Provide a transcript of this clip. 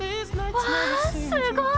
わ、すごい！